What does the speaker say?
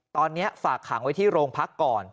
ก็แปลกฝากขังที่โรงพักก่อน